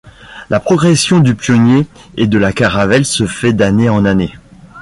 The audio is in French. La progression du pionnier et de la caravelle se fait d'année en année.